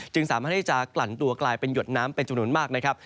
สามารถที่จะกลั่นตัวกลายเป็นหยดน้ำเป็นจำนวนมากนะครับ